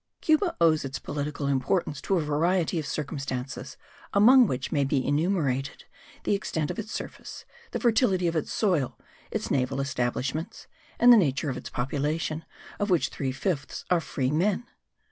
Cuba owes its political importance to a variety of circumstances, among which may be enumerated the extent of its surface, the fertility of its soil, its naval establishments, and the nature of its population, of which three fifths are free men.